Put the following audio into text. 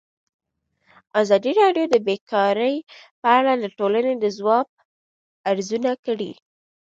ازادي راډیو د بیکاري په اړه د ټولنې د ځواب ارزونه کړې.